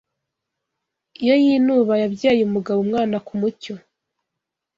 Iyo yinuba Yabyaye umugabo Umwana kumucyo